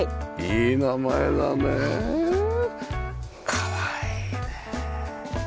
かわいいね。